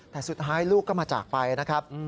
แต่สุดท้ายลูกก็มาจากไปนะครับ